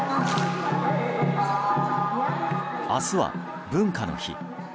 明日は文化の日。